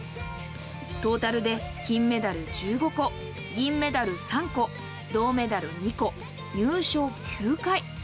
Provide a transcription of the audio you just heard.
トータルで金メダル１５個、銀メダル３個、銅メダル２個、入賞９回。